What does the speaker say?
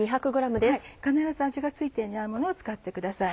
必ず味が付いていないものを使ってください。